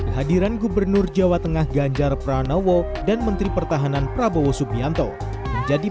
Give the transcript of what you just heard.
hadiran gubernur jawa tengah ganjar pranowo dan menteri pertahanan prabowo subianto menjadi